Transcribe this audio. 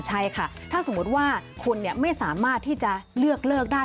ใช่ค่ะถ้าสมมุติว่าคุณไม่สามารถที่จะเลือกเลิกได้